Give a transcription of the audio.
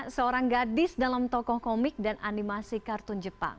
seorang gadis dalam tokoh komik dan animasi kartun jepang